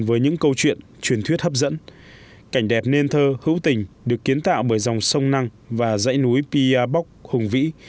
với những câu chuyện truyền thuyết hấp dẫn cảnh đẹp nên thơ hữu tình được kiến tạo bởi dòng sông năng và dãy núi pia bóc hùng vĩ